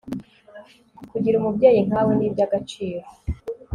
kugira umubyeyi nkawe ni byagaciro